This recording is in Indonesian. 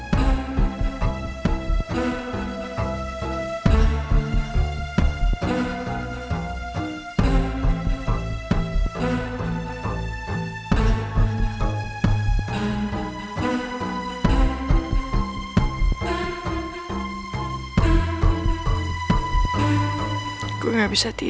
saya akan cerita soal ini